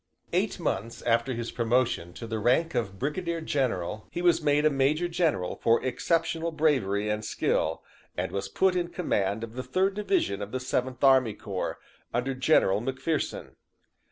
Eight months after his promotion to the rank of Brigadier General he was made a Major General for exceptional bravery and skill, and was put in command of the Third Division of the Seventeenth Army Corps, under General M'Pherson.